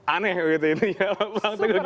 aneh begitu ini ya bang teguh